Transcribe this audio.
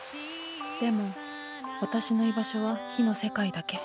でも私の居場所は火の世界だけ。